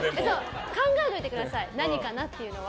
考えておいてください何かなっていうのは。